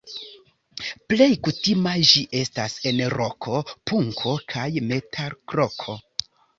Plej kutima ĝi estas en roko, punko kaj metalroko.